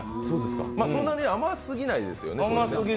そんなに甘すぎないですよね。